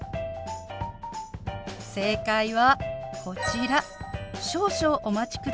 正解はこちら。